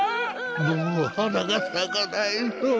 もうはながさかないぞ。